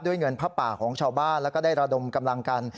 เงินผ้าป่าของชาวบ้านแล้วก็ได้ระดมกำลังกัน